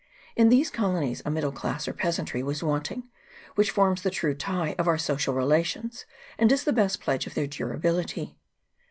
In these colonies a middle class or peasantry was wanting, which forms the true tie of our social relations and is the best pledge of their durability.